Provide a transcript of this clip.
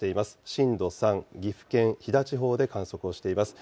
震度３、岐阜県飛騨地方で観測をしています。